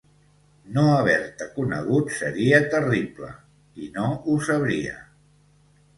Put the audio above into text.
No haver-te conegut seria terrible. I no ho sabria.